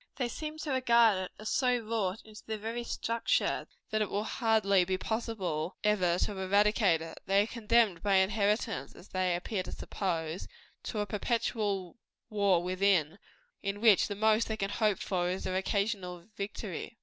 They seem to regard it as so wrought into their very structure, that it will hardly be possible ever to eradicate it. They are condemned by inheritance, as they appear to suppose, to a perpetual war within in which the most they can hope for is an occasional victory.